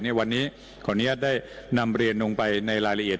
ควรอนุญาตได้นำเรียนลงไปในรายละเอียด